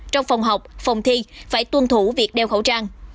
trong phòng học phòng thi phải tuân thủ việc đeo khẩu trang